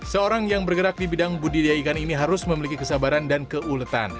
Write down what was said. seorang yang bergerak di bidang budidaya ikan ini harus memiliki kesabaran dan keuletan